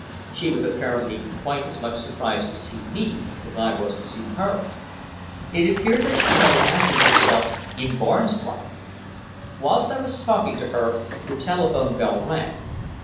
She was apparently quite as much surprised to see me as I was to see her. It appeared that she had imagined herself in Barnes' flat. Whilst I was talking to her, the telephone bell rang.